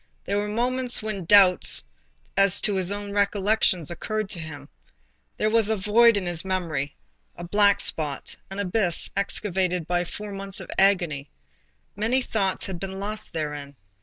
There were moments when doubts as to his own recollections occurred to him. There was a void in his memory, a black spot, an abyss excavated by four months of agony.—Many things had been lost therein.